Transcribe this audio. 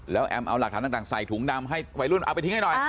แล้วแอมเอาหลักฐานต่างใส่ถุงดำให้วัยรุ่นเอาไปทิ้งให้หน่อย